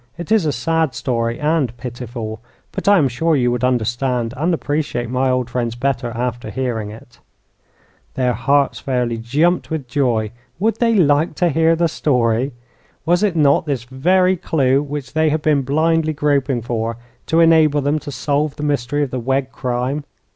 It is a sad story, and pitiful; but I am sure you would understand and appreciate my old friends better after hearing it." Their hearts fairly jumped with joy. Would they like to hear the story? Was it not this very clue which they had been blindly groping for to enable them to solve the mystery of the Wegg crime?